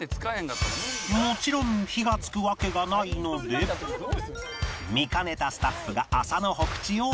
もちろん火が付くわけがないので見兼ねたスタッフが麻の火口を渡す